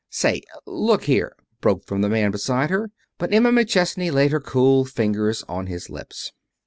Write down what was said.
"Say, look here " broke from the man beside her. But Emma McChesney laid her cool fingers on his lips.